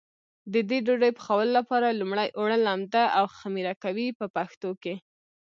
د دې ډوډۍ پخولو لپاره لومړی اوړه لمد او خمېره کوي په پښتو کې.